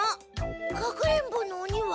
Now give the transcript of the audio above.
かくれんぼのオニは？